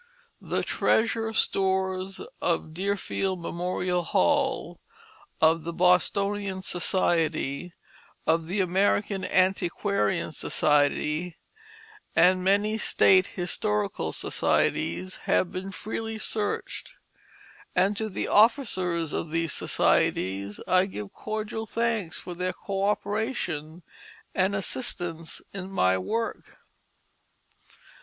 The treasure stores of Deerfield Memorial Hall, of the Bostonian Society, of the American Antiquarian Society, and many State Historical Societies have been freely searched; and to the officers of these societies I give cordial thanks for their coöperation and assistance in my work.